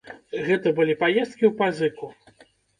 Гэта былі паездкі ў пазыку.